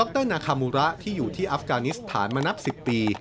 นาคามูระที่อยู่ที่อัฟกานิสถานมานับ๑๐ปี